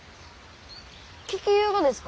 聞きゆうがですか？